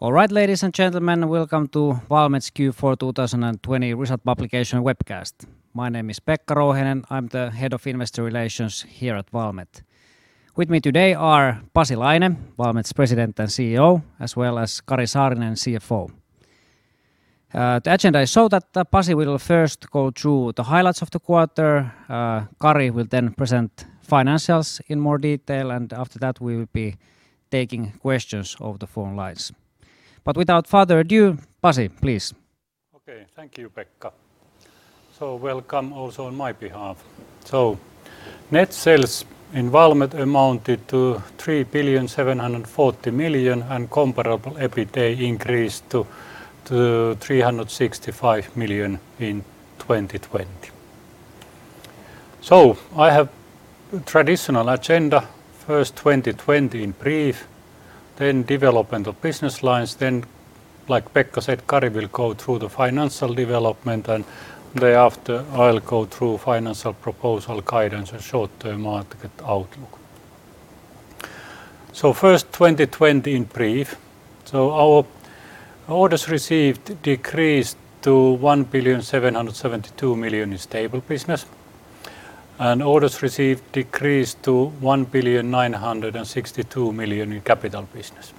All right, ladies and gentlemen. Welcome to Valmet's Q4 2020 result publication webcast. My name is Pekka Rouhiainen. I'm the Head of Investor Relations here at Valmet. With me today are Pasi Laine, Valmet's President and CEO, as well as Kari Saarinen, CFO. The agenda is so that Pasi will first go through the highlights of the quarter. Kari will then present financials in more detail. After that, we will be taking questions over the phone lines. Without further ado, Pasi, please. Okay. Thank you, Pekka. Welcome also on my behalf. Net sales in Valmet amounted to 3,740 million, and comparable EBITDA increased to EUR 365 million in 2020. I have traditional agenda, first 2020 in brief, then development of business lines, then like Pekka said, Kari will go through the financial development, and thereafter I'll go through financial proposal guidance and short-term market outlook. First, 2020 in brief. Our orders received decreased to 1,772 million in stable business, and orders received decreased to 1,962 million in capital business.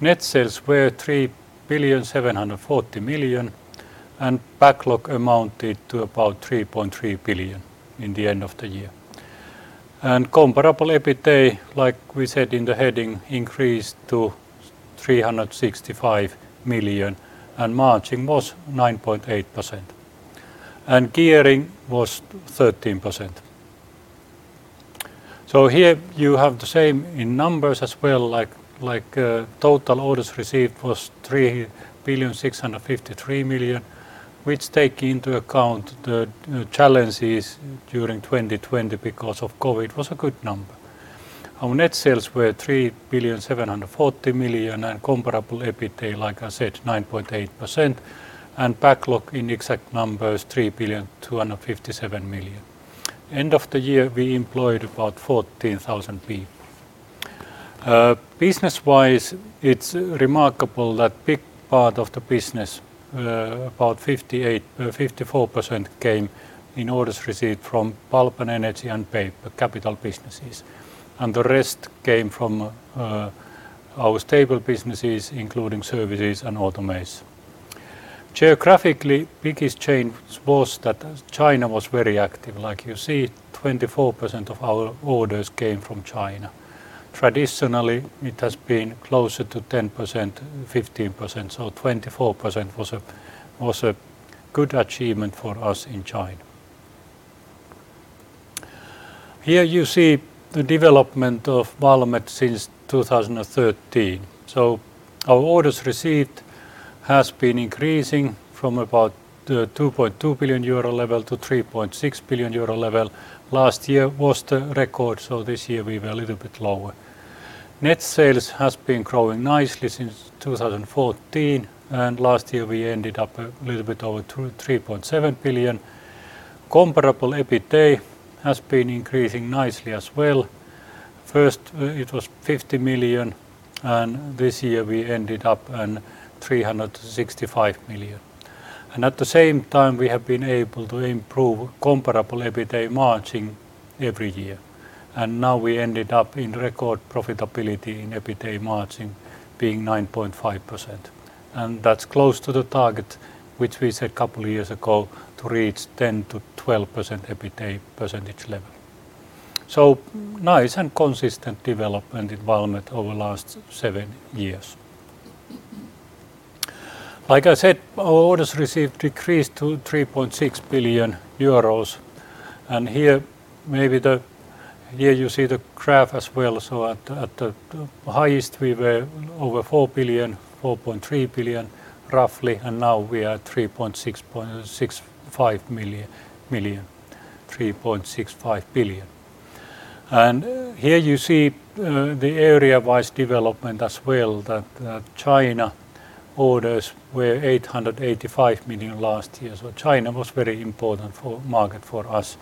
Net sales were 3,740 million, and backlog amounted to about 3.3 billion in the end of the year. Comparable EBITDA, like we said in the heading, increased to 365 million, and margin was 9.8%. Gearing was 13%. Here you have the same in numbers as well, like total orders received was 3,653,000,000, which take into account the challenges during 2020 because of COVID, was a good number. Our net sales were 3,740,000,000 and comparable EBITDA, like I said, 9.8%, and backlog in exact numbers, 3,257,000,000. End of the year, we employed about 14,000 people. Business-wise, it's remarkable that big part of the business, about 54% came in orders received from pulp and energy and paper, capital businesses. The rest came from our stable businesses, including services and automation. Geographically, biggest change was that China was very active. Like you see, 24% of our orders came from China. Traditionally, it has been closer to 10%, 15%. 24% was a good achievement for us in China. Here you see the development of Valmet since 2013. Our orders received has been increasing from about the 2.2 billion euro level to 3.6 billion euro level. Last year was the record, so this year we were a little bit lower. Net sales has been growing nicely since 2014, and last year we ended up a little bit over 3.7 billion. Comparable EBITDA has been increasing nicely as well. First it was 50 million, and this year we ended up in 365 million. At the same time, we have been able to improve comparable EBITDA margin every year. Now we ended up in record profitability in EBITDA margin being 9.5%. That's close to the target which we said couple of years ago to reach 10%-12% EBITDA percentage level. Nice and consistent development in Valmet over last seven years. Like I said, our orders received decreased to 3.6 billion euros. Here you see the graph as well. At the highest we were over 4 billion, 4.3 billion roughly. Now we are at 3.65 billion. Here you see the area-wise development as well, that China orders were 885 million last year. China was very important market for us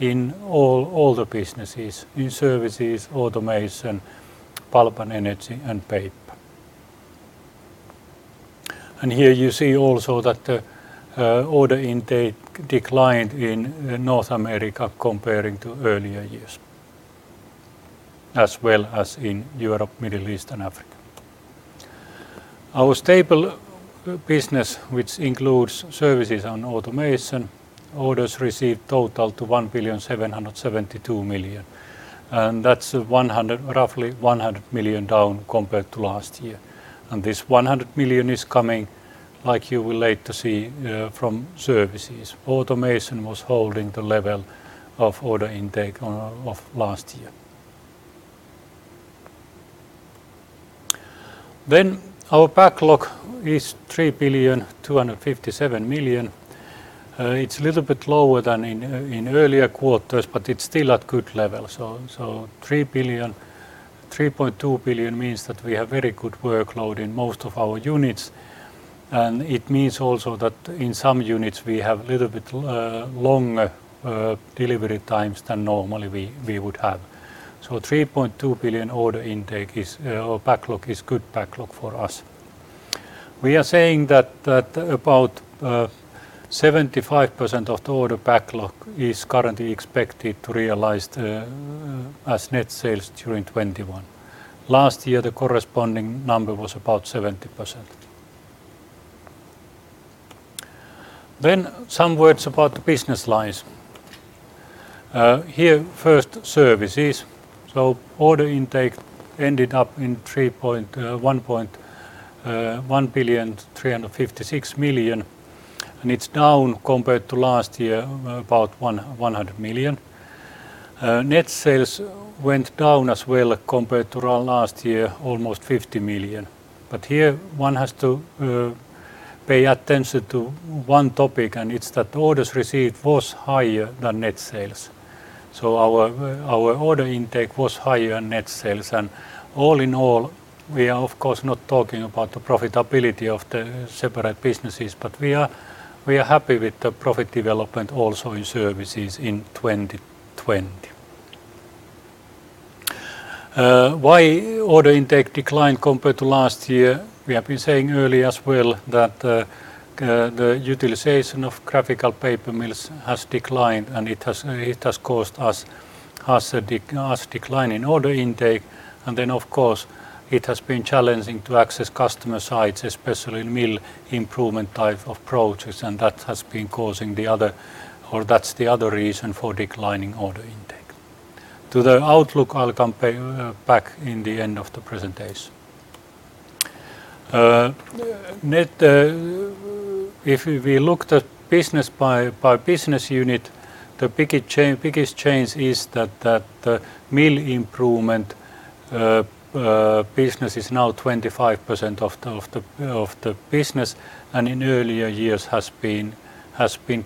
in all the businesses, in services, automation, pulp and energy, and paper. Here you see also that the order intake declined in North America comparing to earlier years, as well as in Europe, Middle East and Africa. Our stable business, which includes services and automation, orders received total to 1.772 billion. That's roughly 100 million down compared to last year. This 100 million is coming, like you will later see, from services. Automation was holding the level of order intake of last year. Our backlog is 3,257 million. It's a little bit lower than in earlier quarters, but it's still at good level. 3.2 billion means that we have very good workload in most of our units And it means also that in some units we have a little bit longer delivery times than normally we would have. 3.2 billion order intake or backlog is good backlog for us. We are saying that about 75% of the order backlog is currently expected to realize as net sales during 2021. Last year, the corresponding number was about 70%. Some words about the business lines. Here first, services. Order intake ended up in 1,356 million, and it's down compared to last year about 100 million. Net sales went down as well compared to our last year, almost 50 million. Here one has to pay attention to one topic, and it's that orders received was higher than net sales. Our order intake was higher than net sales. All in all, we are of course not talking about the profitability of the separate businesses, but we are happy with the profit development also in services in 2020. Why order intake declined compared to last year? We have been saying earlier as well that the utilization of graphical paper mills has declined, and it has caused us a decline in order intake. Then of course it has been challenging to access customer sites, especially in mill improvement type of projects. That's the other reason for declining order intake. To the outlook, I'll come back in the end of the presentation. If we looked at business by business unit, the biggest change is that the mill improvement business is now 25% of the business, and in earlier years has been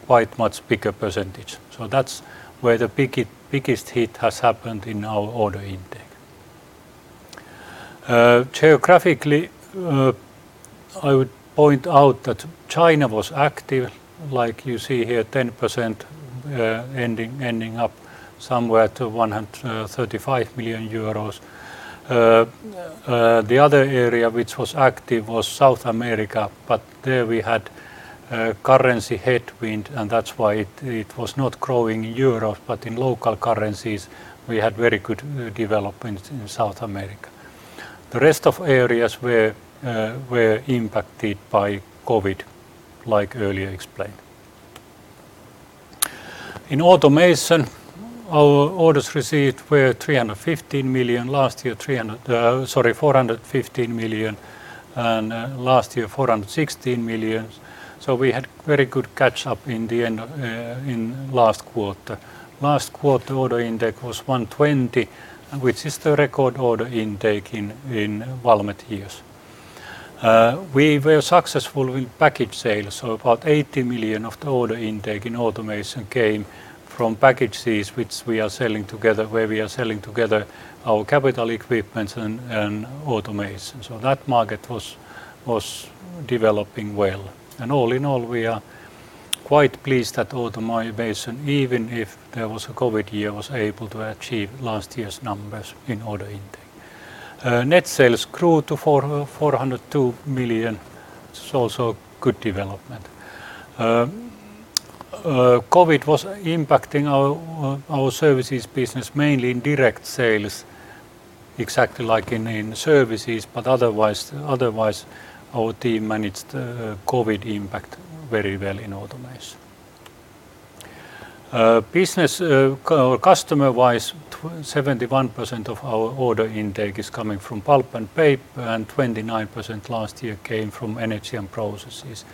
quite much bigger percentage. That's where the biggest hit has happened in our order intake. Geographically, I would point out that China was active, like you see here, 10% ending up somewhere to 135 million euros. The other area which was active was South America, but there we had currency headwind, and that's why it was not growing in Europe, but in local currencies we had very good development in South America. The rest of areas were impacted by COVID, like earlier explained. In automation, our orders received were 415 million, and last year 416 million. We had very good catch up in last quarter. Last quarter order intake was 120, which is the record order intake in Valmet years. We were successful in package sales, about 80 million of the order intake in automation came from packages where we are selling together our capital equipment and automation. That market was developing well. All in all, we are quite pleased that automation, even if there was a COVID year, was able to achieve last year's numbers in order intake. Net sales grew to 402 million, which is also a good development. COVID was impacting our services business mainly in direct sales, exactly like in services, otherwise our team managed COVID impact very well in automation. Customer-wise, 71% of our order intake is coming from pulp and paper, 29% last year came from energy and processes.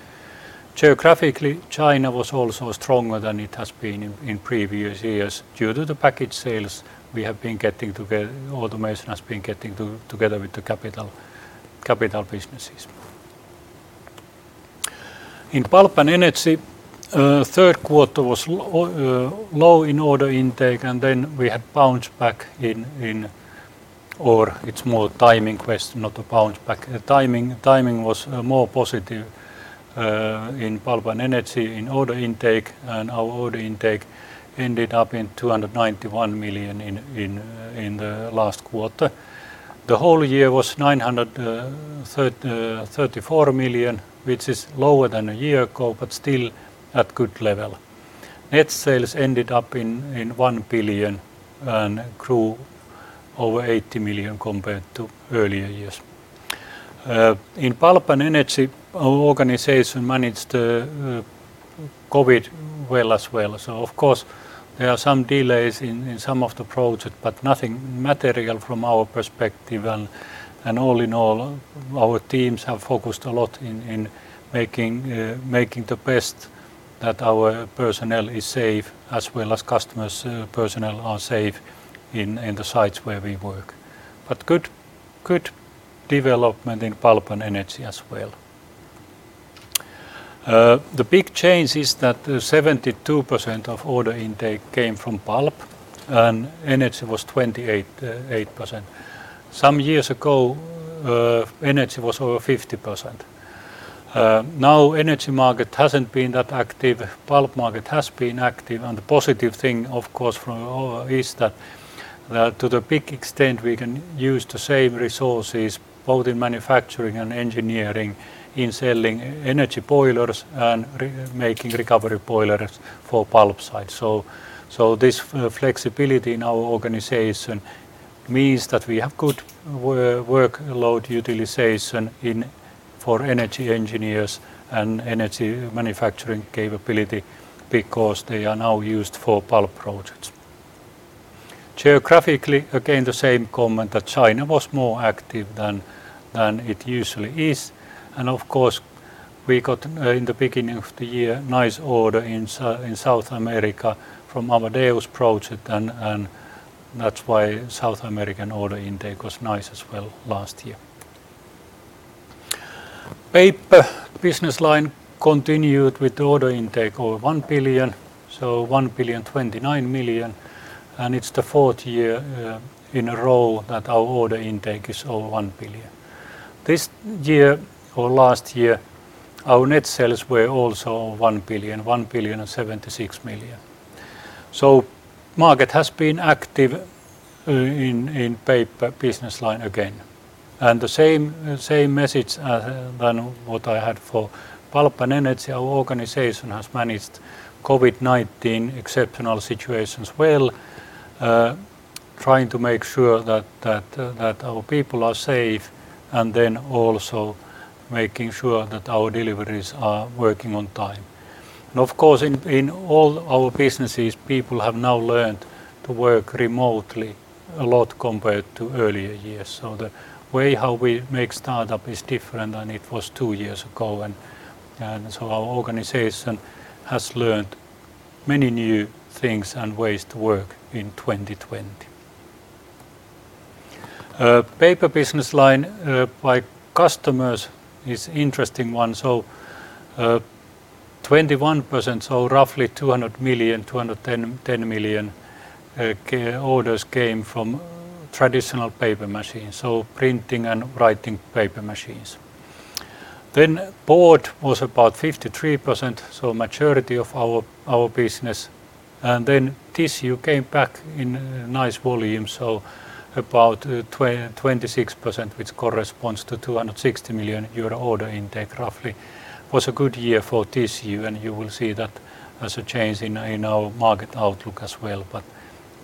Geographically, China was also stronger than it has been in previous years due to the package sales we have been getting together, automation has been getting together with the capital businesses. In pulp and energy, third quarter was low in order intake, and then we had bounce back in or it's more a timing question, not a bounce back. Timing was more positive in pulp and energy in order intake, and our order intake ended up in 291 million in the last quarter. The whole year was 934 million, which is lower than a year ago, but still at good level. Net sales ended up in 1 billion and grew over 80 million compared to earlier years. In pulp and energy, our organization managed COVID well as well. Of course there are some delays in some of the projects, but nothing material from our perspective. All in all, our teams have focused a lot in making the best that our personnel is safe as well as customers' personnel are safe in the sites where we work. Good development in pulp and energy as well. The big change is that 72% of order intake came from pulp, and energy was 28%. Some years ago, energy was over 50%. Energy market hasn't been that active. Pulp market has been active, and the positive thing, of course, is that to the big extent, we can use the same resources, both in manufacturing and engineering, in selling energy boilers and making recovery boilers for pulp sites. This flexibility in our organization means that we have good workload utilization for energy engineers and energy manufacturing capability because they are now used for pulp projects. Geographically, again, the same comment that China was more active than it usually is. Of course, we got in the beginning of the year, nice order in South America from Amadeus project and that's why South American order intake was nice as well last year. Paper business line continued with the order intake over 1 billion, so 1,029,000,000, and it's the fourth year in a row that our order intake is over 1 billion. This year or last year, our net sales were also 1 billion, 1,076,000,000. Market has been active in paper business line again. The same message than what I had for pulp and energy. Our organization has managed COVID-19 exceptional situations well, trying to make sure that our people are safe and then also making sure that our deliveries are working on time. Of course, in all our businesses, people have now learned to work remotely a lot compared to earlier years. The way how we make startup is different than it was two years ago, and so our organization has learned many new things and ways to work in 2020. Paper business line by customers is interesting one. 21%, roughly 210 million, orders came from traditional paper machines, so printing and writing paper machines. Board was about 53%, so majority of our business. Then tissue came back in nice volume, so about 26%, which corresponds to 260 million euro order intake roughly. It was a good year for tissue, and you will see that as a change in our market outlook as well.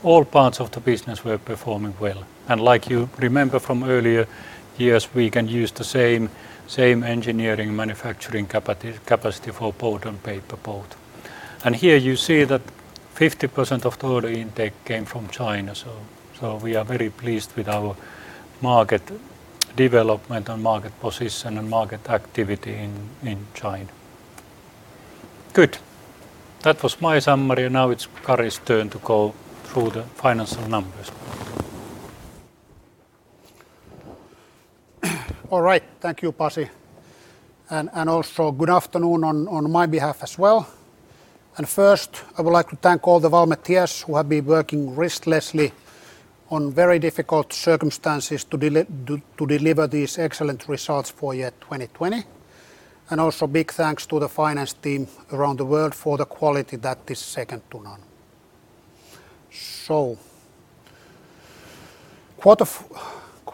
All parts of the business were performing well. Like you remember from earlier years, we can use the same engineering manufacturing capacity for board and paper both. Here you see that 50% of the order intake came from China. We are very pleased with our market development and market position and market activity in China. Good. That was my summary, and now it's Kari's turn to go through the financial numbers. All right. Thank you, Pasi, also good afternoon on my behalf as well. First, I would like to thank all the Valmetians who have been working restlessly on very difficult circumstances to deliver these excellent results for year 2020, and also big thanks to the finance team around the world for the quality that is second to none.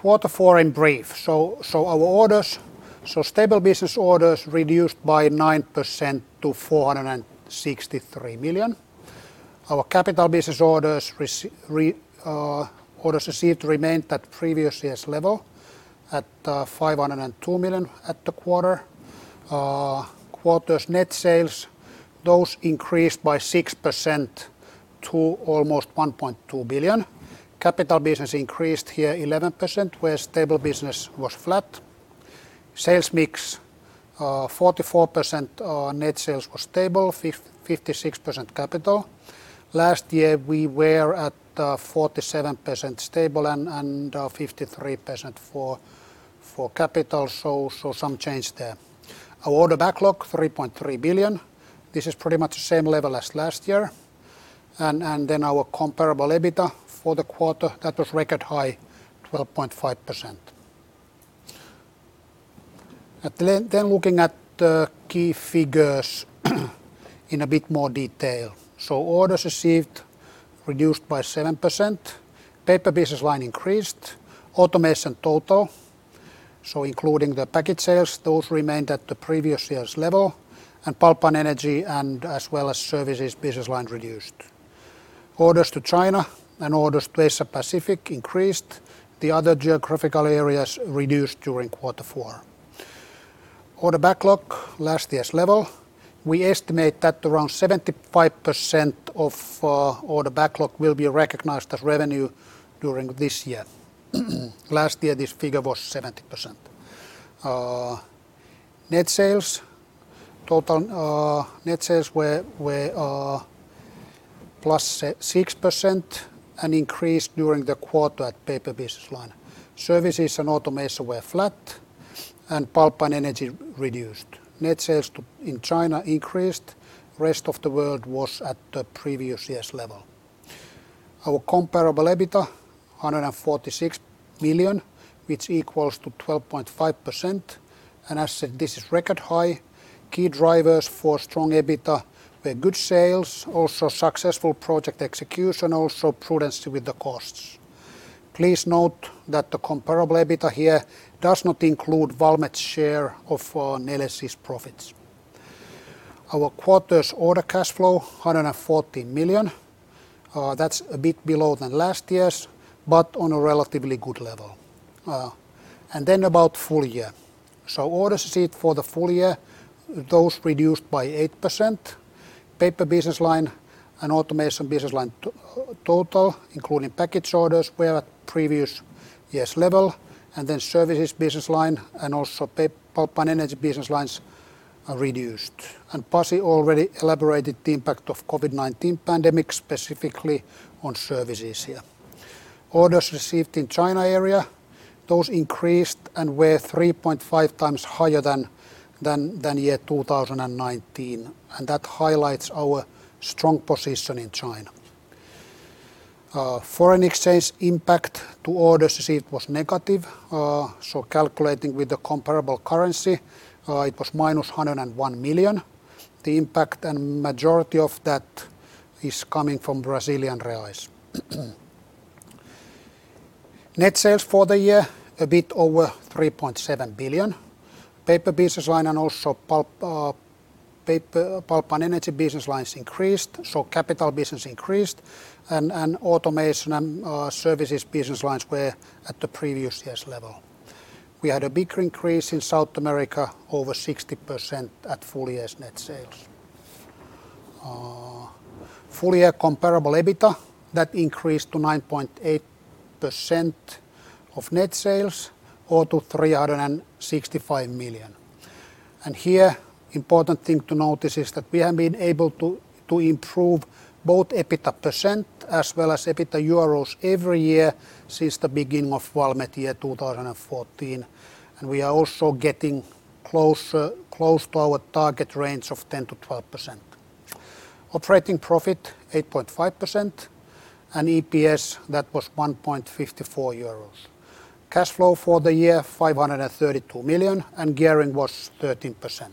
Quarter four in brief. Stable business orders reduced by 9% to 463 million. Our capital business orders received remained at previous year's level at 502 million at the quarter. Quarter's net sales, those increased by 6% to almost 1.2 billion. Capital business increased here 11%, where stable business was flat. Sales mix, 44% net sales was stable, 56% capital. Last year, we were at 47% stable and 53% for capital, some change there. Our order backlog, 3.3 billion. This is pretty much the same level as last year. Our comparable EBITDA for the quarter, that was record high 12.5%. Looking at the key figures in a bit more detail. Orders received reduced by 7%. Paper business line increased. Automation total, so including the package sales, those remained at the previous year's level. Pulp and energy and as well as services business line reduced. Orders to China and orders placed at Pacific increased. The other geographical areas reduced during quarter four. Order backlog, last year's level. We estimate that around 75% of order backlog will be recognized as revenue during this year. Last year, this figure was 70%. Net sales. Total net sales were plus 6%, an increase during the quarter at Paper business line. Services and Automation were flat, Pulp and Energy reduced. Net sales in China increased. Rest of the world was at the previous year's level. Our comparable EBITDA, 146 million, which equals to 12.5%, and as said, this is record high. Key drivers for strong EBITDA were good sales, also successful project execution, also prudence with the costs. Please note that the comparable EBITDA here does not include Valmet's share of Neles' profits. Our quarter's order cash flow, 114 million. That's a bit below than last year's, but on a relatively good level. About full year. Orders received for the full year, those reduced by 8%. Paper business line and Automation business line total, including package orders, were at previous year's level, and then Services business line and also Pulp and Energy business lines are reduced. Pasi already elaborated the impact of COVID-19 pandemic specifically on services here. Orders received in China, those increased and were 3.5 times higher than 2019. That highlights our strong position in China. Foreign exchange impact to orders received was negative, so calculating with the comparable currency, it was minus 101 million. The impact and majority of that is coming from Brazilian reais. Net sales for the year, a bit over 3.7 billion. Paper Business Line and also Pulp and Energy Business Lines increased, so Capital Business increased, and Automation and Services Business Lines were at the previous year's level. We had a big increase in South America, over 60% at full year net sales. Full year comparable EBITDA, that increased to 9.8% of net sales or to 365 million. Here, important thing to notice is that we have been able to improve both EBITDA % as well as EBITDA EUR every year since the beginning of Valmet 2014. We are also getting close to our target range of 10%-12%. Operating profit, 8.5%, and EPS, that was 1.54 euros. Cash flow for the year, 532 million, and gearing was 13%.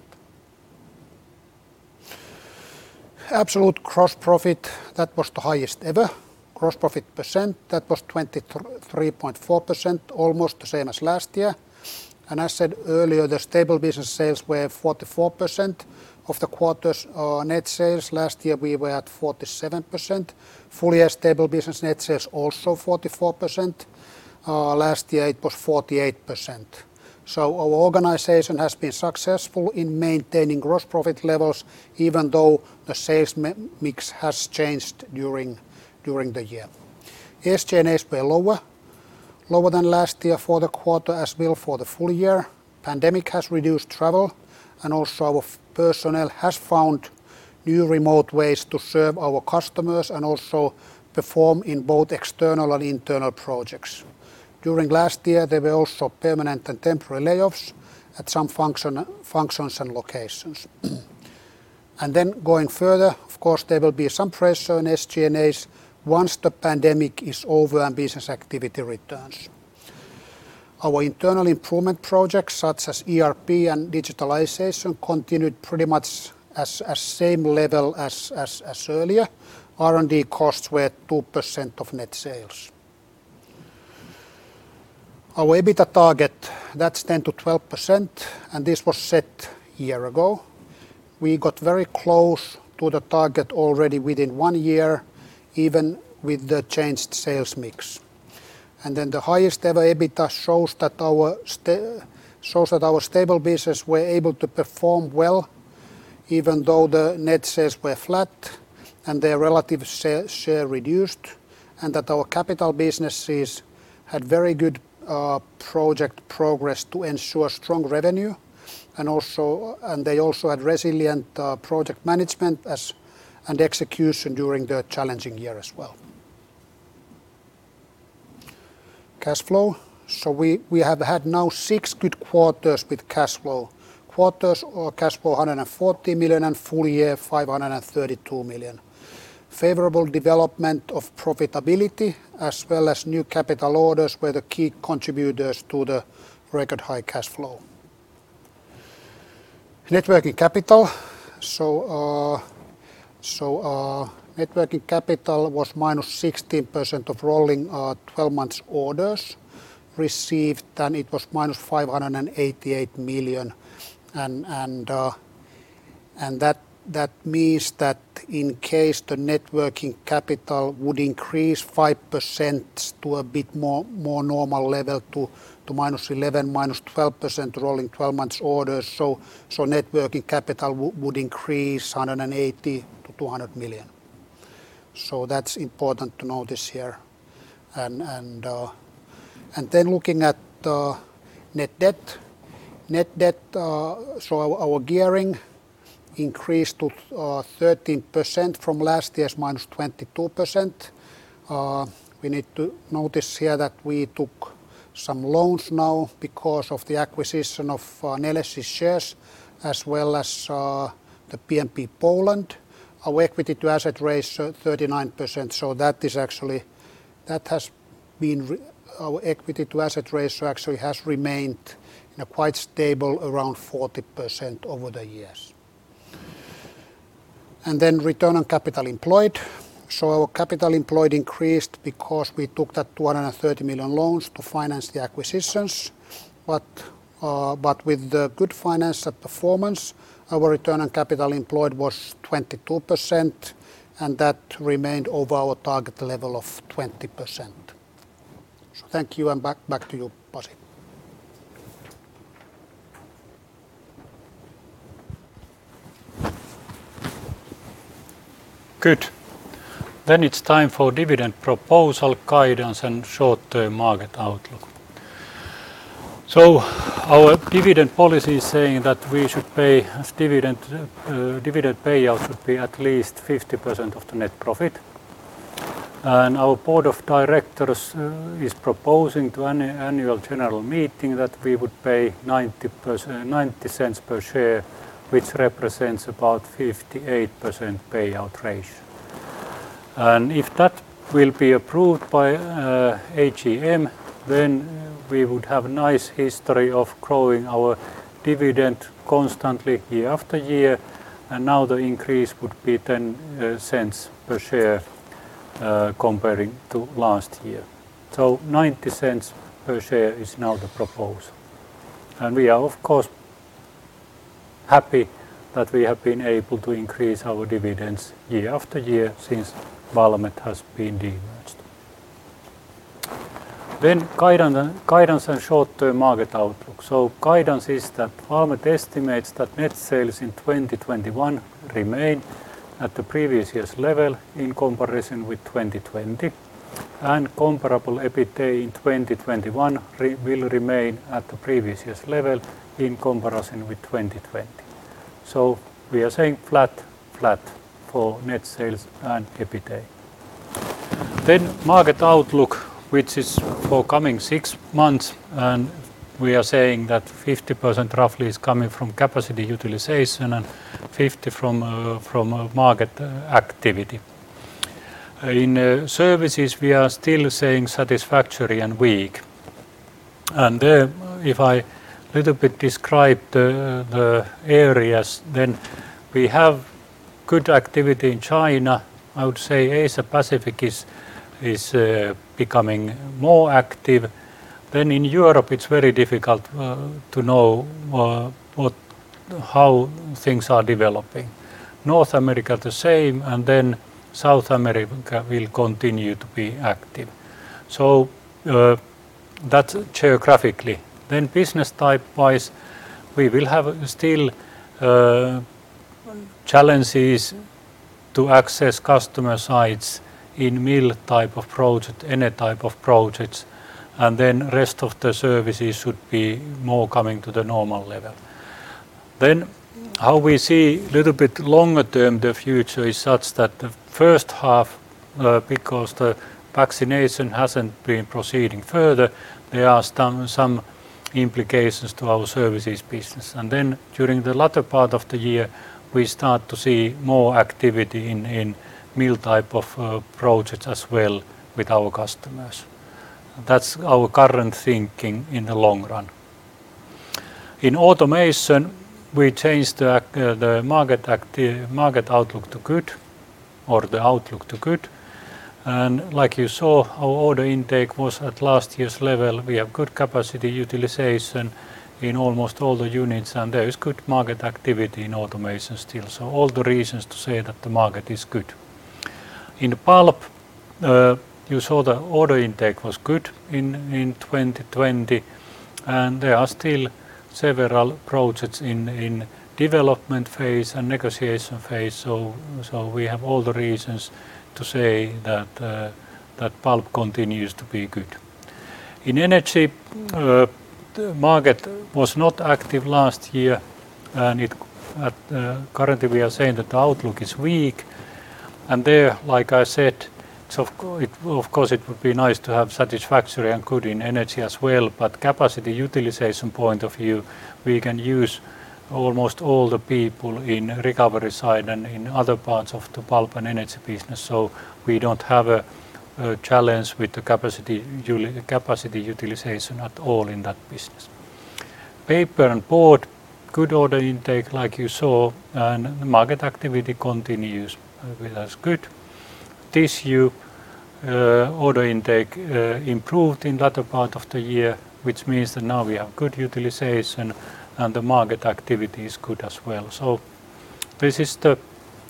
Absolute gross profit, that was the highest ever. Gross profit percent, that was 23.4%, almost the same as last year. I said earlier that Stable Business sales were 44% of the quarter's net sales. Last year, we were at 47%. Full year Stable Business net sales, also 44%. Last year, it was 48%. Our organization has been successful in maintaining gross profit levels even though the sales mix has changed during the year. SG&As were lower than last year for the quarter, as well for the full year. Pandemic has reduced travel, also our personnel has found new remote ways to serve our customers and also perform in both external and internal projects. During last year, there were also permanent and temporary layoffs at some functions and locations. Then going further, of course, there will be some pressure on SG&As once the pandemic is over and business activity returns. Our internal improvement projects, such as ERP and digitalization, continued pretty much as same level as earlier. R&D costs were 2% of net sales. Our EBITDA target, that's 10%-12%, this was set a year ago. We got very close to the target already within one year, even with the changed sales mix. The highest ever EBITDA shows that our Stable Business were able to perform well even though the net sales were flat and their relative share reduced, and that our Capital Businesses had very good project progress to ensure strong revenue. They also had resilient project management and execution during the challenging year as well. Cash flow. We have had now six good quarters with cash flow. Quarters cash flow 140 million and full year 532 million. Favorable development of profitability as well as new capital orders were the key contributors to the record high cash flow. Net working capital. Net working capital was -16% of rolling 12 months orders received, it was -588 million, that means that in case the net working capital would increase 5% to a bit more normal level to -11%, -12% rolling 12 months orders, net working capital would increase 180 million-200 million. That's important to notice here. Looking at net debt, our gearing increased to 13% from last year's -22%. We need to notice here that we took some loans now because of the acquisition of Neles's shares, as well as the PMP Poland. Our equity to asset ratio 39%, our equity to asset ratio actually has remained quite stable around 40% over the years. Return on capital employed. Our capital employed increased because we took that 230 million loans to finance the acquisitions. With the good financial performance, our return on capital employed was 22%, and that remained over our target level of 20%. Thank you, and back to you, Pasi. Good. It's time for dividend proposal guidance and short-term market outlook. Our dividend policy is saying that dividend payout should be at least 50% of the net profit. Our board of directors is proposing to Annual General Meeting that we would pay 0.90 per share, which represents about 58% payout ratio. If that will be approved by AGM, then we would have nice history of growing our dividend constantly year after year. Now the increase would be 0.10 per share comparing to last year. 0.90 per share is now the proposal. We are of course happy that we have been able to increase our dividends year after year since Valmet has been de-merged. Guidance and short-term market outlook. Guidance is that Valmet estimates that net sales in 2021 remain at the previous year's level in comparison with 2020, and comparable EBITA in 2021 will remain at the previous year's level in comparison with 2020. We are saying flat for net sales and EBITA. Market outlook, which is for coming six months, we are saying that 50% roughly is coming from capacity utilization and 50% from market activity. In services, we are still saying satisfactory and weak. There if I little bit describe the areas, we have good activity in China. I would say Asia-Pacific is becoming more active. In Europe it's very difficult to know how things are developing. North America the same, South America will continue to be active. That's geographically. Business type-wise, we will have still challenges to access customer sites in mill type of project, any type of projects, and rest of the services should be more coming to the normal level. How we see a little bit longer-term, the future is such that the first half, because the vaccination hasn't been proceeding further, there are some implications to our services business. During the latter part of the year, we start to see more activity in mill type of projects as well with our customers. That's our current thinking in the long run. In automation, we changed the market outlook to good, or the outlook to good. Like you saw, our order intake was at last year's level. We have good capacity utilization in almost all the units, and there is good market activity in automation still. All the reasons to say that the market is good. In the pulp, you saw the order intake was good in 2020, and there are still several projects in development phase and negotiation phase. We have all the reasons to say that pulp continues to be good. In energy, the market was not active last year, and currently we are saying that the outlook is weak. There, like I said, of course it would be nice to have satisfactory and good in energy as well, but capacity utilization point of view, we can use almost all the people in recovery side and in other parts of the pulp and energy business. We don't have a challenge with the capacity utilization at all in that business. Paper and board, good order intake like you saw, and market activity continues with as good. Tissue order intake improved in latter part of the year, which means that now we have good utilization and the market activity is good as well. This is the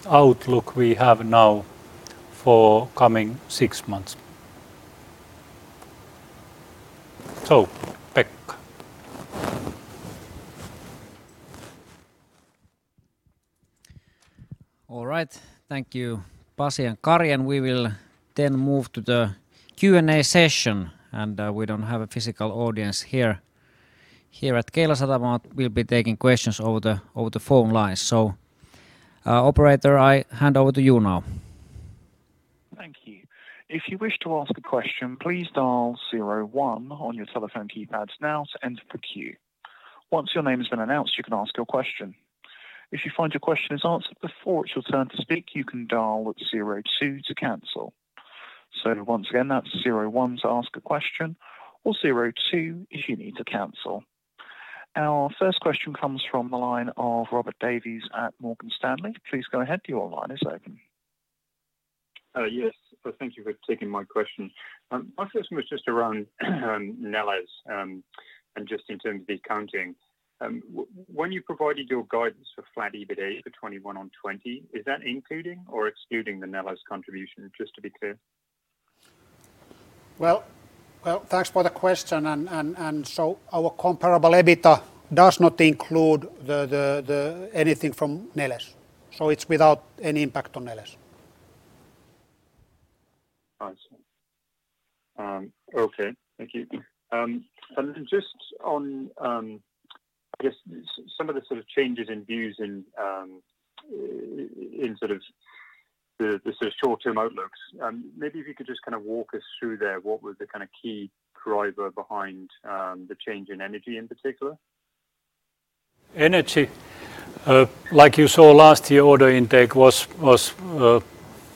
outlook we have now for coming six months. Pekka All right. Thank you, Pasi and Kari. We will then move to the Q&A session. We don't have a physical audience here at Keilasatama. We'll be taking questions over the phone lines. Operator, I hand over to you now. Thank you. If you wish to ask a question, please dial zero one on your telephone keypads now to enter the queue. Once your name has been announced, you can ask your question. If you find your question is answered before it's your turn to speak, you can dial zero two to cancel. Once again, that's zero one to ask a question or zero two if you need to cancel. Our first question comes from the line of Robert Davies at Morgan Stanley. Yes. Thank you for taking my question. My first one was just around Neles, and just in terms of the accounting. When you provided your guidance for flat EBITA for 2021 on 2020, is that including or excluding the Neles contribution, just to be clear? Well, thanks for the question. Our comparable EBITA does not include anything from Neles. It's without any impact on Neles. I see. Okay. Thank you. Just on, I guess some of the sort of changes in views in sort of the short-term outlooks. Maybe if you could just kind of walk us through there, what was the kind of key driver behind the change in energy in particular? Energy, like you saw last year, order intake was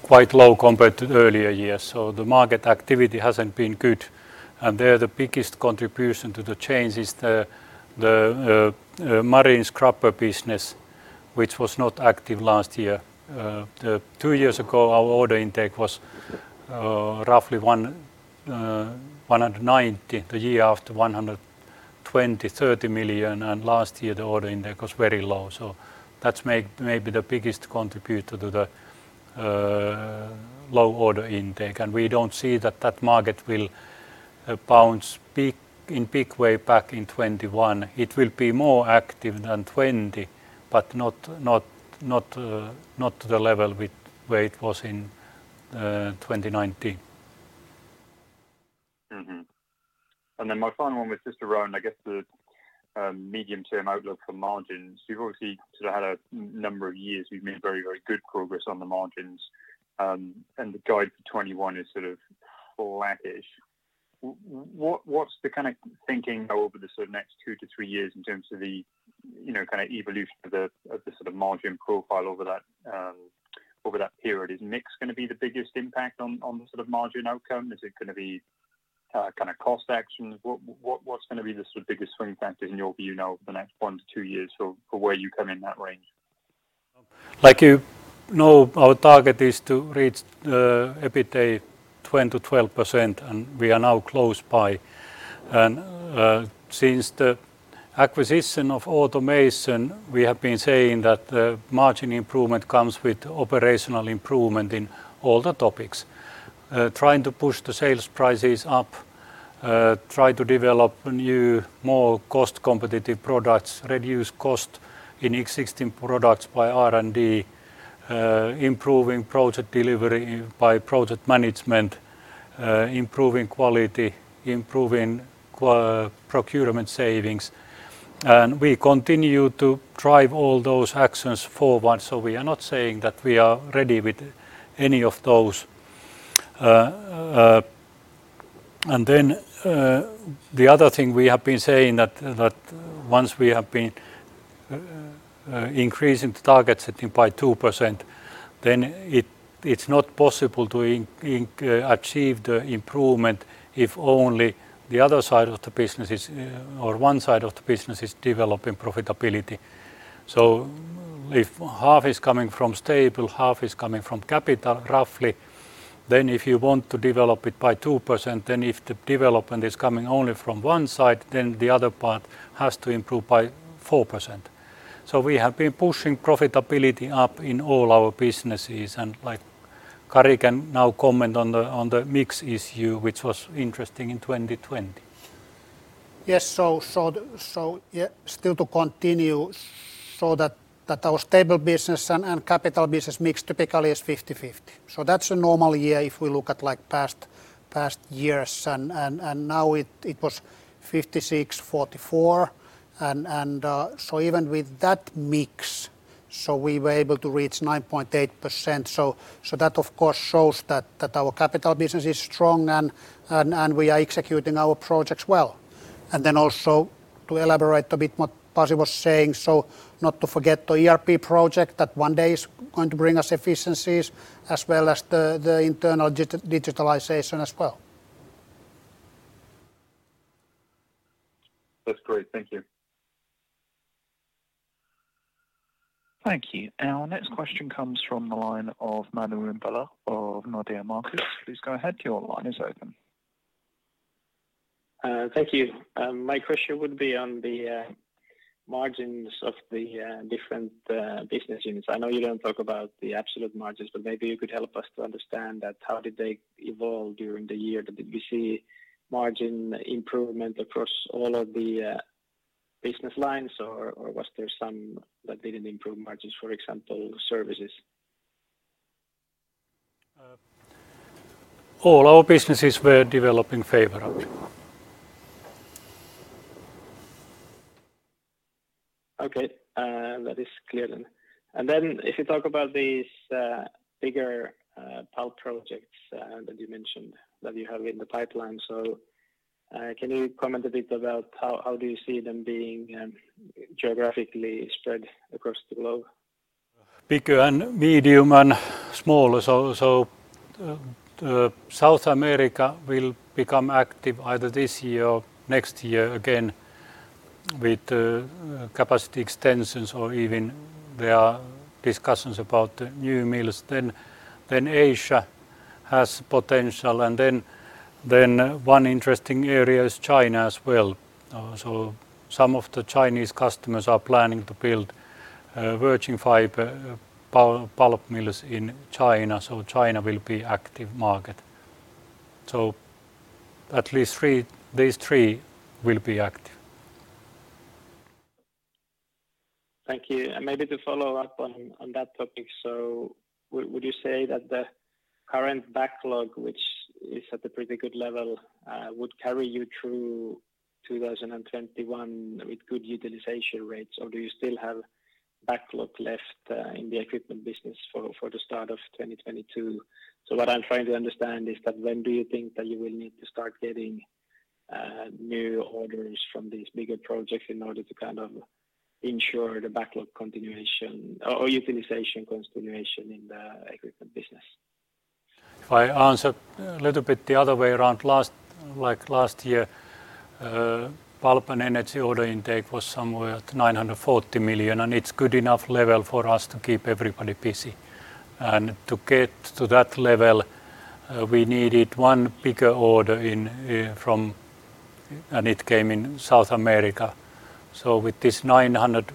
quite low compared to earlier years. The market activity hasn't been good. There, the biggest contribution to the change is the marine scrubber business, which was not active last year. Two years ago, our order intake was roughly 190 million, the year after 120 million-130 million, last year the order intake was very low. That's maybe the biggest contributor to the low order intake. We don't see that that market will bounce in big way back in 2021. It will be more active than 2020, but not to the level where it was in 2019. My final one was just around, I guess the medium-term outlook for margins. You've obviously sort of had a number of years you've made very good progress on the margins. The guide for 2021 is sort of flattish. What's the kind of thinking over the sort of next two to three years in terms of the kind of evolution of the sort of margin profile over that period? Is mix going to be the biggest impact on the sort of margin outcome? Is it going to be kind of cost actions? What's going to be the sort of biggest swing factors in your view now over the next one to two years for where you come in that range? Like you know, our target is to reach EBITA 10%-12%. We are now close by. Since the acquisition of automation, we have been saying that the margin improvement comes with operational improvement in all the topics. Trying to push the sales prices up, try to develop new, more cost-competitive products, reduce cost in existing products by R&D, improving project delivery by project management, improving quality, improving procurement savings. We continue to drive all those actions forward. We are not saying that we are ready with any of those. The other thing we have been saying that once we have been increasing the target setting by 2%, then it's not possible to achieve the improvement if only one side of the business is developing profitability. If half is coming from stable, half is coming from capital, roughly, then if you want to develop it by 2%, then if the development is coming only from one side, then the other part has to improve by 4%. We have been pushing profitability up in all our businesses, and Kari can now comment on the mix issue, which was interesting in 2020. Still to continue, our stable business and capital business mix typically is 50/50. That's a normal year if we look at past years, now it was 56/44. Even with that mix, we were able to reach 9.8%. That of course shows that our capital business is strong, and we are executing our projects well. Also to elaborate a bit what Pasi was saying, not to forget the ERP project that one day is going to bring us efficiencies as well as the internal digitalization as well. That's great. Thank you. Thank you. Our next question comes from the line of Manu Rimpelä of Nordea Markets. Please go ahead, your line is open. Thank you. My question would be on the margins of the different business units. I know you don't talk about the absolute margins, but maybe you could help us to understand that how did they evolve during the year? Did we see margin improvement across all of the business lines, or was there some that didn't improve margins, for example, services? All our businesses were developing favorably. Okay. That is clear then. If you talk about these bigger pulp projects that you mentioned that you have in the pipeline, can you comment a bit about how do you see them being geographically spread across the globe? Bigger and medium and small. South America will become active either this year or next year again with capacity extensions or even there are discussions about new mills. Asia has potential, and then one interesting area is China as well. Some of the Chinese customers are planning to build virgin fiber pulp mills in China, so China will be active market. At least these three will be active. Thank you. Maybe to follow up on that topic, would you say that the current backlog, which is at a pretty good level, would carry you through 2021 with good utilization rates? Do you still have backlog left in the equipment business for the start of 2022? What I'm trying to understand is that when do you think that you will need to start getting new orders from these bigger projects in order to ensure the backlog continuation or utilization continuation in the equipment business? If I answer a little bit the other way around, last year, pulp and energy order intake was somewhere at 940 million, it's good enough level for us to keep everybody busy. To get to that level, we needed one bigger order, and it came in South America. With this 900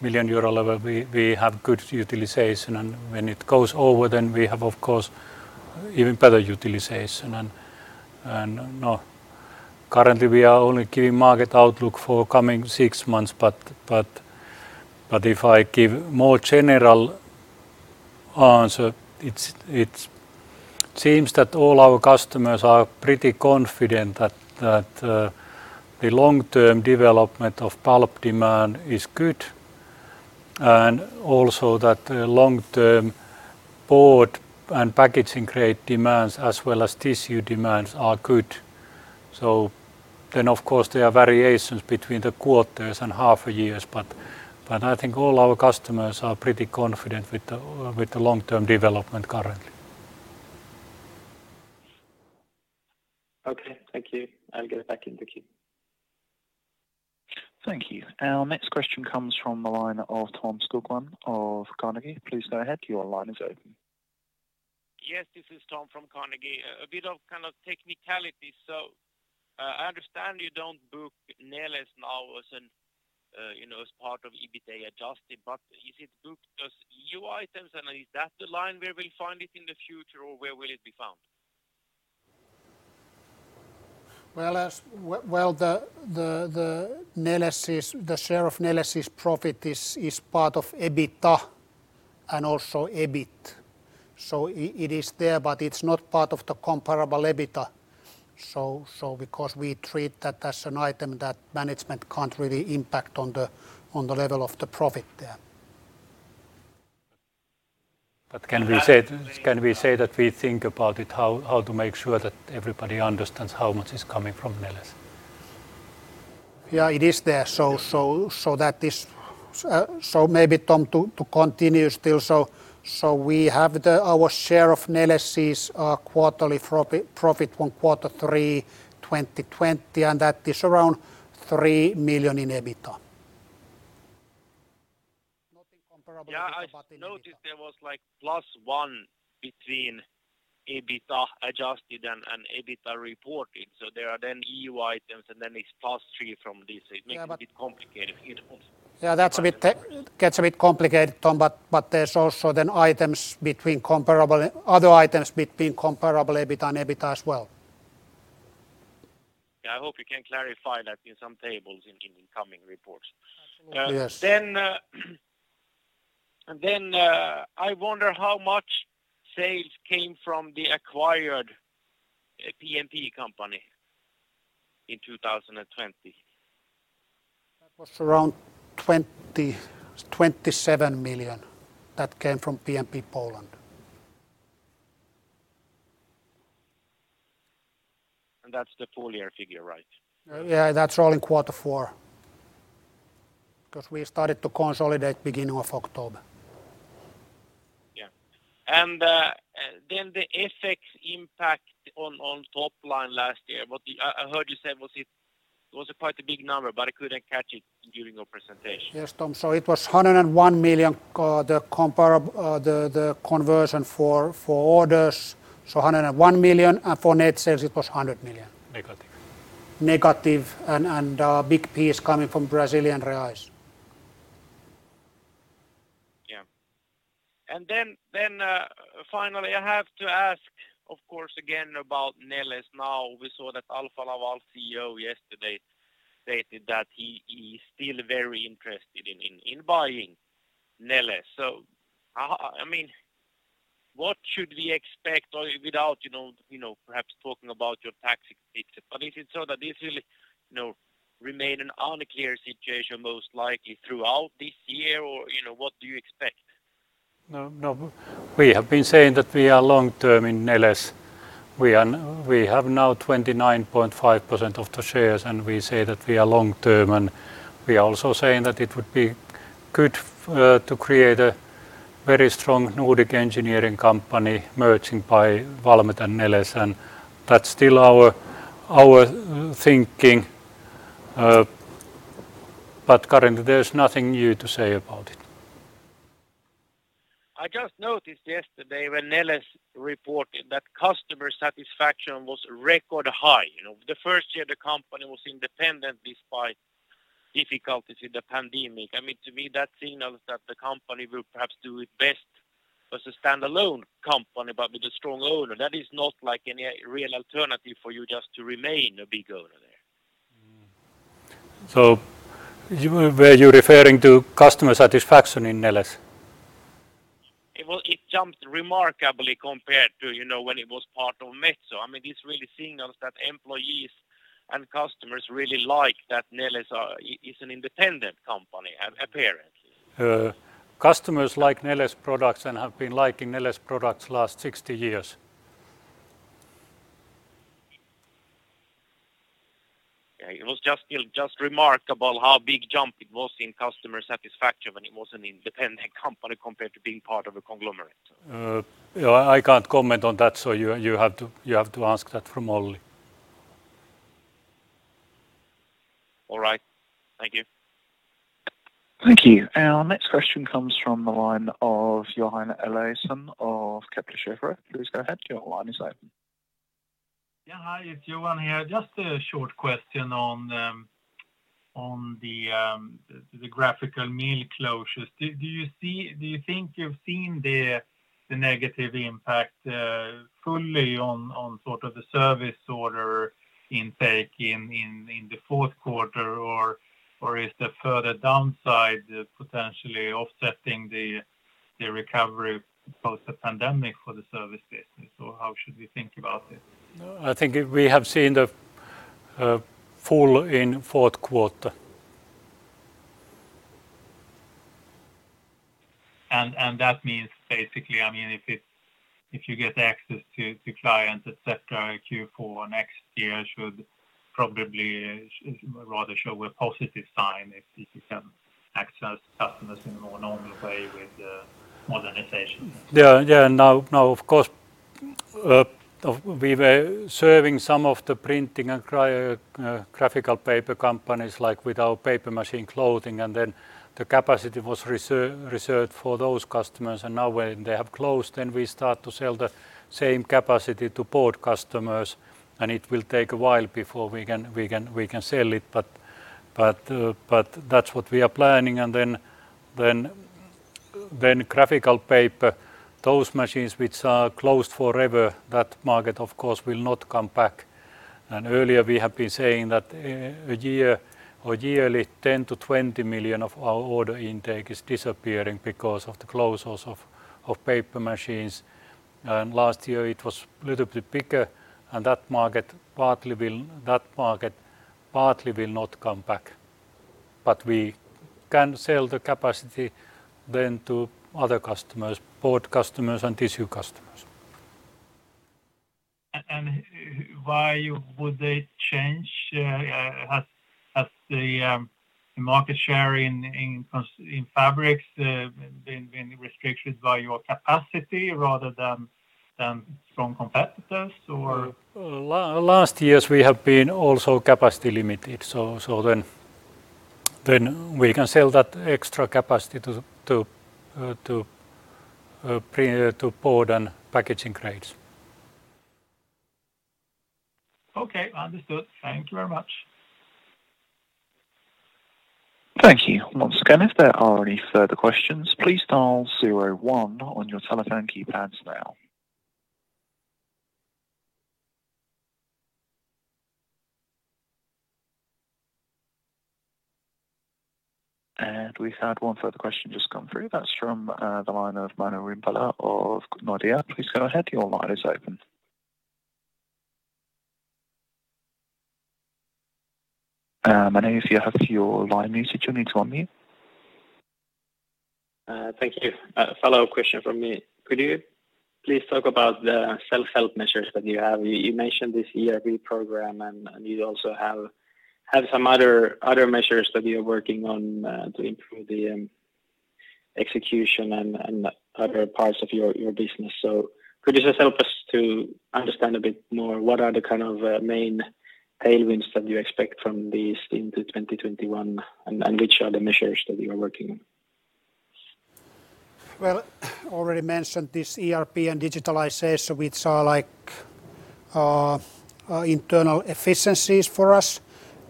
million euro level, we have good utilization, and when it goes over then we have, of course, even better utilization. Currently we are only giving market outlook for coming six months, but if I give more general answer, it seems that all our customers are pretty confident that the long-term development of pulp demand is good, and also that the long-term board and packaging grade demands as well as tissue demands are good. Of course, there are variations between the quarters and half years, but I think all our customers are pretty confident with the long-term development currently. Okay, thank you. I'll get back in the queue. Thank you. Our next question comes from the line of Tom Skogman of Carnegie. Please go ahead. Your line is open. Yes, this is Tom from Carnegie. A bit of technicality. I understand you don't book Neles now as part of EBITDA adjusted, but is it booked as IAC items and is that the line where we'll find it in the future, or where will it be found? Well, the share of Neles' profit is part of EBITDA and also EBIT. It is there, but it's not part of the comparable EBITDA. We treat that as an item that management can't really impact on the level of the profit there. Can we say that we think about it, how to make sure that everybody understands how much is coming from Neles? Yeah, it is there. Maybe Tom, to continue still. We have our share of Neles' quarterly profit from quarter three 2020, and that is around 3 million in EBITDA. Yeah, I noticed there was plus one between EBITDA adjusted and EBITDA reported. There are then IAC items, and then it's +3 from this. It makes a bit complicated here also. Yeah, that gets a bit complicated, Tom, but there's also then other items between comparable EBIT and EBITDA as well. Yeah, I hope you can clarify that in some tables in incoming reports. Yes. I wonder how much sales came from the acquired PMP company in 2020. That was around 27 million that came from PMP Poland. That's the full year figure, right? That's all in quarter four because we started to consolidate beginning of October. Yeah. The FX impact on top line last year, I heard you say it was quite a big number, but I couldn't catch it during your presentation. Yes, Tom. It was 101 million, the conversion for orders, so 101 million, and for net sales it was 100 million. Negative. Negative, and a big piece coming from Brazilian reais. Finally, I have to ask, of course, again about Neles now. We saw that Alfa Laval CEO yesterday stated that he's still very interested in buying Neles. What should we expect or without perhaps talking about your tactics, but is it so that this will remain an unclear situation most likely throughout this year? Or what do you expect? We have been saying that we are long-term in Neles. We have now 29.5% of the shares. We say that we are long-term. We are also saying that it would be good to create a very strong Nordic engineering company merging by Valmet and Neles. That's still our thinking. Currently, there's nothing new to say about it. I just noticed yesterday when Neles reported that customer satisfaction was record high. The first year the company was independent despite difficulties in the pandemic. To me, that signals that the company will perhaps do its best as a standalone company, but with a strong owner. That is not like any real alternative for you just to remain a big owner there. Were you referring to customer satisfaction in Neles? It jumped remarkably compared to when it was part of Metso. This really signals that employees and customers really like that Neles is an independent company apparently. Customers like Neles products and have been liking Neles products last 60 years. It was just remarkable how big jump it was in customer satisfaction when it was an independent company compared to being part of a conglomerate. I can't comment on that, so you have to ask that from Olli. All right. Thank you. Thank you. Our next question comes from the line of Johan Eliason of Kepler Cheuvreux. Please go ahead. Yeah. Hi, it's Johan here. Just a short question on the graphical mill closures. Do you think you've seen the negative impact fully on sort of the service order intake in the fourth quarter or is there further downside potentially offsetting the recovery post the pandemic for the service business, or how should we think about it? I think we have seen the fall in fourth quarter. That means basically, if you get access to clients, etc, Q4 next year should probably rather show a positive sign if you can access customers in a more normal way with the modernization. Now of course, we were serving some of the printing and graphical paper companies like with our paper machine clothing, and then the capacity was reserved for those customers. Now when they have closed, then we start to sell the same capacity to board customers, and it will take a while before we can sell it. That's what we are planning. Graphical paper, those machines which are closed forever, that market of course will not come back. Earlier we have been saying that a year or yearly 10 million-20 million of our order intake is disappearing because of the closures of paper machines. Last year it was little bit bigger, and that market partly will not come back. We can sell the capacity then to other customers, board customers and tissue customers. Why would they change? Has the market share in fabrics been restricted by your capacity rather than strong competitors? Last years we have been also capacity limited, so then we can sell that extra capacity to board and packaging grades. Okay, understood. Thank you very much. Thank you. Once again, if there are any further questions, please dial zero one on your telephone keypads now. We've had one further question just come through. That's from the line of Manu Rimpelä of Nordea. Please go ahead. Your line is open. Manu, if you have your line muted, you'll need to unmute. Thank you. Follow-up question from me. Could you please talk about the self-help measures that you have? You mentioned this ERP program, and you also have some other measures that you're working on to improve the execution and other parts of your business. Could you just help us to understand a bit more what are the kind of main tailwinds that you expect from these into 2021, and which are the measures that you are working on? Well, already mentioned this ERP and digitalization, which are like. Internal efficiencies for us.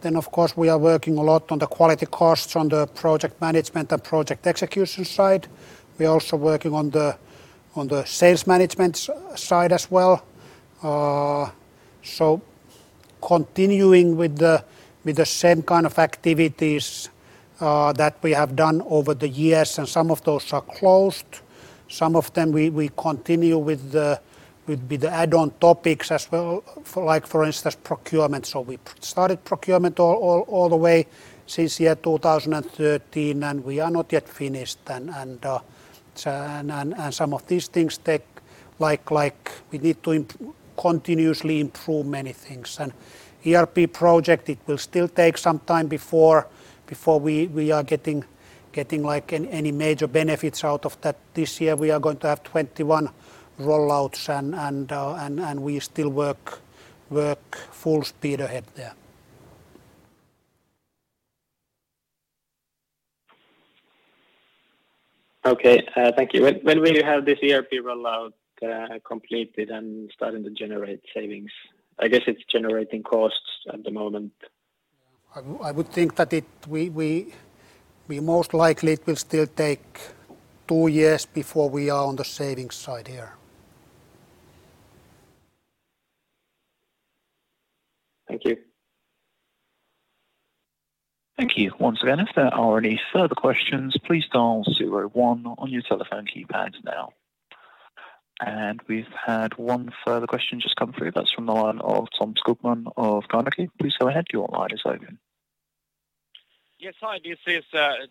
Of course, we are working a lot on the quality costs on the project management and project execution side. We are also working on the sales management side as well. Continuing with the same kind of activities that we have done over the years, and some of those are closed. Some of them we continue with the add-on topics as well, for instance, procurement. We started procurement all the way since year 2013, and we are not yet finished. We need to continuously improve many things. ERP project, it will still take some time before we are getting any major benefits out of that. This year we are going to have 21 rollouts, and we still work full speed ahead there. Okay. Thank you. When will you have this ERP rollout completed and starting to generate savings? I guess it's generating costs at the moment. I would think that most likely it will still take two years before we are on the savings side here. Thank you. Thank you. Once again, if there are any further questions, please dial 01 on your telephone keypads now. We've had one further question just come through. That's from the line of Tom Skogman of Carnegie. Please go ahead. Your line is open. Yes. Hi, this is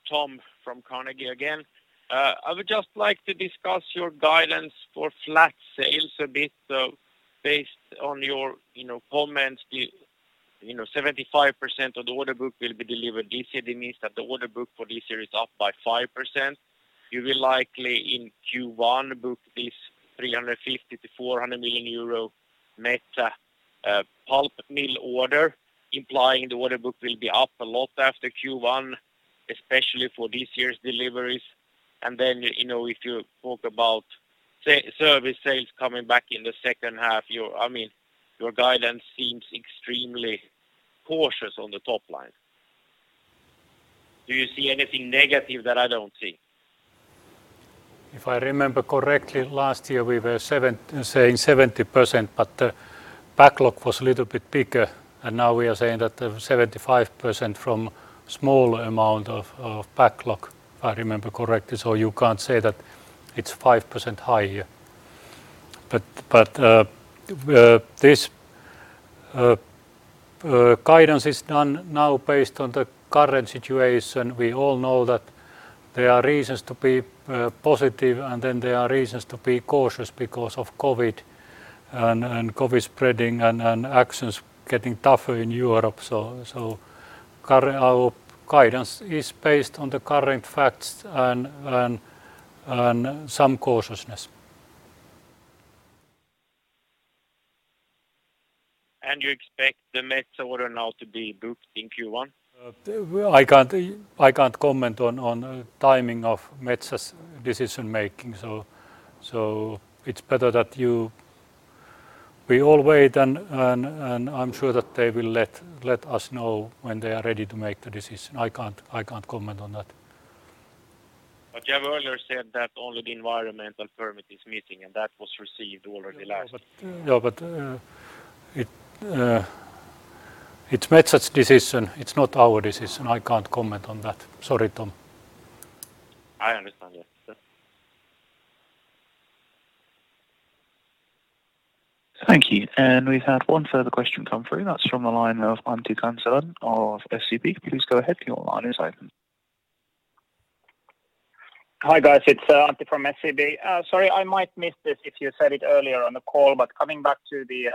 Tom from Carnegie again. I would just like to discuss your guidance for flat sales a bit based on your comments. 75% of the order book will be delivered this year. That means that the order book for this year is up by 5%. You will likely in Q1 book this 350 million-400 million euro Metsä pulp mill order, implying the order book will be up a lot after Q1, especially for this year's deliveries. If you talk about service sales coming back in the second half, your guidance seems extremely cautious on the top line. Do you see anything negative that I don't see? If I remember correctly, last year we were saying 70%, but the backlog was a little bit bigger, and now we are saying that 75% from small amount of backlog, if I remember correctly. You can't say that it's 5% higher. This guidance is done now based on the current situation. We all know that there are reasons to be positive, and then there are reasons to be cautious because of COVID and COVID spreading and actions getting tougher in Europe. Our guidance is based on the current facts and some cautiousness. You expect the Metsä order now to be booked in Q1? I can't comment on timing of Metsä's decision-making. It's better that we all wait, and I'm sure that they will let us know when they are ready to make the decision. I can't comment on that. You have earlier said that only the environmental permit is missing, and that was received already last- It's Metsä's decision. It's not our decision. I can't comment on that. Sorry, Tom. I understand. Yes. Thank you. We've had one further question come through. That's from the line of Antti Kansanen of SEB. Please go ahead. Your line is open. Hi, guys. It's Antti from SEB. Sorry, I might missed this if you said it earlier on the call, but coming back to the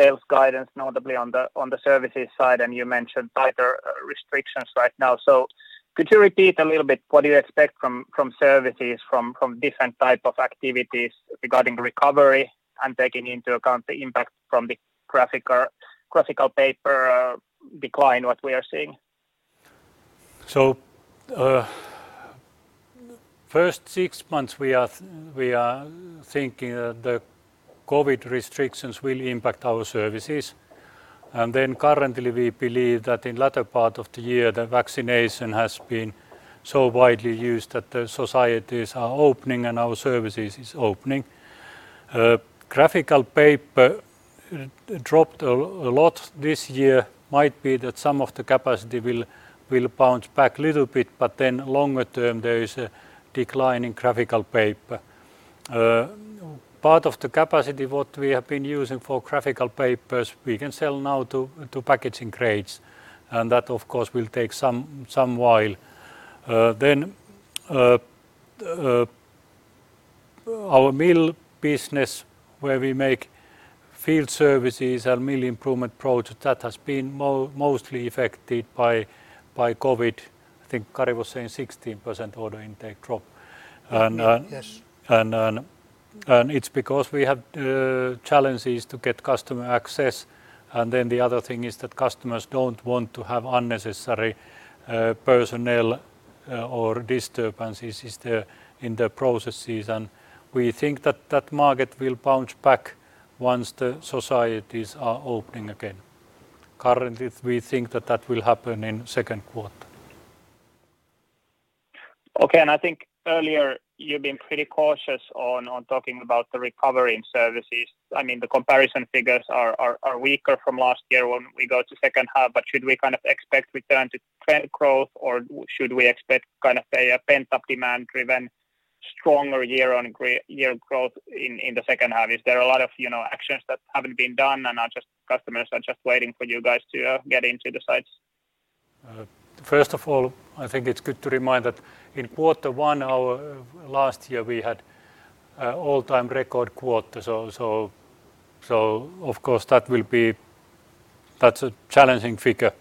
sales guidance, notably on the services side, and you mentioned tighter restrictions right now. Could you repeat a little bit what do you expect from services, from different type of activities regarding recovery and taking into account the impact from the graphic paper decline what we are seeing? First six months, we are thinking the COVID restrictions will impact our services. Currently, we believe that in latter part of the year, the vaccination has been so widely used that the societies are opening and our services is opening. Graphical paper dropped a lot this year. Might be that some of the capacity will bounce back little bit, but then longer term, there is a decline in graphical paper. Part of the capacity what we have been using for graphical papers, we can sell now to packaging grades, and that of course will take some while. Our mill business where we make field services and mill improvement project, that has been mostly affected by COVID. I think Kari was saying 16% order intake drop. Yes. It's because we have challenges to get customer access, and then the other thing is that customers don't want to have unnecessary personnel. Disturbances in the processes. We think that that market will bounce back once the societies are opening again. Currently, we think that that will happen in second quarter. Okay. I think earlier you've been pretty cautious on talking about the recovery in services. The comparison figures are weaker from last year when we go to second half, but should we expect return to growth or should we expect a pent-up demand-driven stronger year-on-year growth in the second half? Is there a lot of actions that haven't been done, and customers are just waiting for you guys to get into the sites? I think it's good to remind that in quarter one last year, we had all-time record quarter. Of course, that's a challenging figure.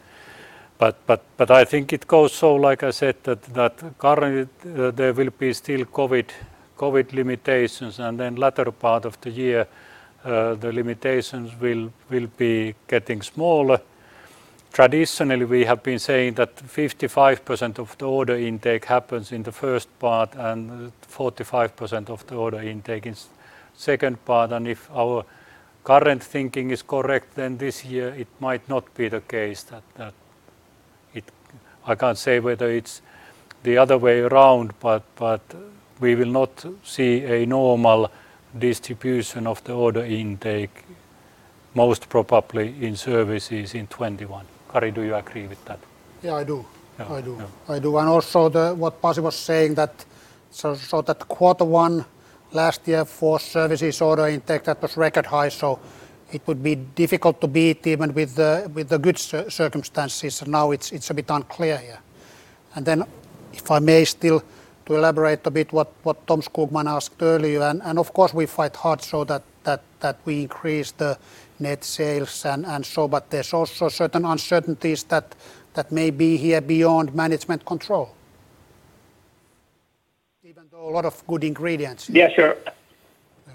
I think it goes so, like I said, that currently there will be still COVID limitations, and then latter part of the year, the limitations will be getting smaller. Traditionally, we have been saying that 55% of the order intake happens in the first part and 45% of the order intake is second part. If our current thinking is correct, then this year it might not be the case. I can't say whether it's the other way around, we will not see a normal distribution of the order intake, most probably in services in 2021. Kari, do you agree with that? Yeah, I do. Yeah. I do. Also what Pasi was saying that quarter one last year for services order intake, that was record high. It would be difficult to beat even with the good circumstances. Now it's a bit unclear here. If I may still to elaborate a bit what Tom Skogman asked earlier, of course we fight hard so that we increase the net sales. There's also certain uncertainties that may be here beyond management control, even though a lot of good ingredients. Yeah, sure. Yeah.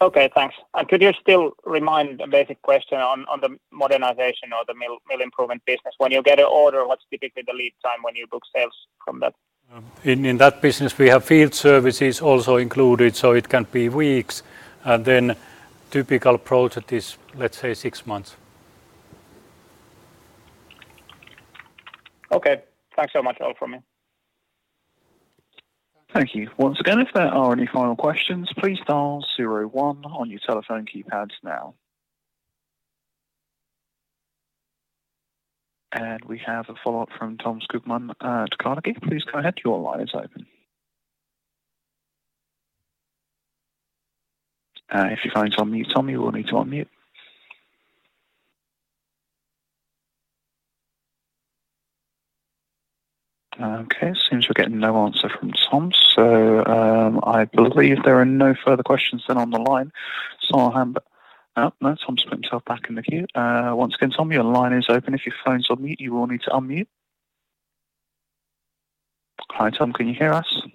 Okay, thanks. Could you still remind a basic question on the modernization or the mill improvement business. When you get an order, what's typically the lead time when you book sales from that? In that business, we have field services also included, so it can be weeks, and then typical project is, let's say, six months. Okay. Thanks so much. All from me. Thank you. Once again, if there are any final questions, please dial zero one on your telephone keypads now. We have a follow-up from Tom Skogman at Carnegie. Please go ahead, your line is open. If your phone's on mute, Tom, you will need to unmute. Okay, seems we're getting no answer from Tom, so I believe there are no further questions then on the line. Oh, no, Tom's put himself back in the queue. Once again, Tom, your line is open. If your phone's on mute, you will need to unmute. Hi, Tom, can you hear us?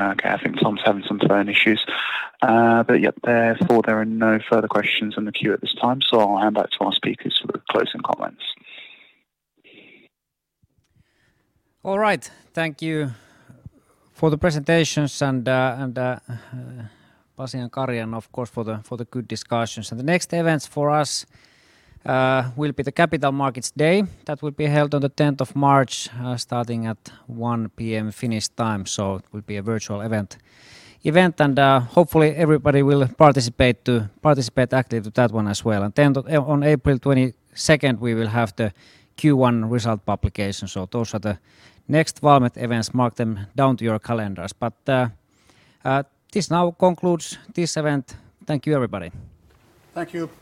Okay, I think Tom's having some phone issues. Yeah, therefore, there are no further questions in the queue at this time, so I'll hand back to our speakers for the closing comments. All right. Thank you for the presentations, and Pasi and Kari, and of course for the good discussions. The next events for us will be the Capital Markets Day. That will be held on the 10th of March, starting at 1:00 P.M. Finnish time, so it will be a virtual event. Hopefully everybody will participate actively to that one as well. On April 22nd, we will have the Q1 result publication. Those are the next Valmet events, mark them down to your calendars. This now concludes this event. Thank you everybody. Thank you.